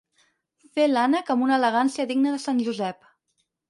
Fer l'ànec amb una elegància digna de sant Josep.